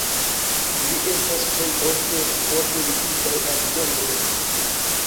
Ili estas plej ofte forte ligitaj al ĝenro.